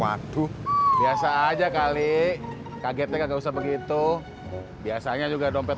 waktu biasa aja kali kagetnya nggak usah begitu biasanya juga dompet